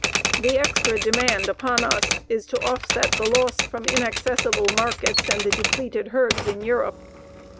The extra demand upon us is to offset the loss from inaccessible markets and the depleted herds in Europe.